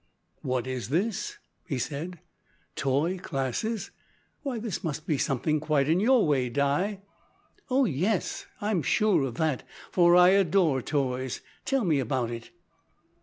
"What is this?" he said. "Toy Classes, why, this must be something quite in your way, Di." "Oh yes, I'm sure of that, for I adore toys. Tell me about it."